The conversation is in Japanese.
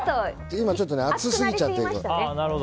今ちょっと熱すぎちゃって。